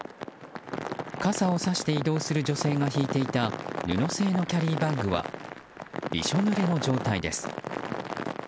傘をさして移動する女性が引いていた布製のキャリーバッグはびしょ濡れの状態です。